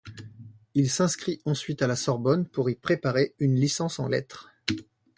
Il s’inscrit ensuite à la Sorbonne pour y préparer une licence en lettres.